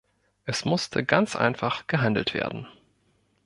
Es musste ganz einfach gehandelt werden.